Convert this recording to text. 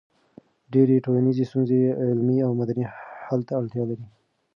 ډېری ټولنیزې ستونزې علمي او مدني حل ته اړتیا لري.